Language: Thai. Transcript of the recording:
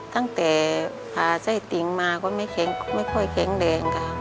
ตั้งแต่พาใจติ๊งมาก็ไม่ค่อยเค้งแดงกล่ะ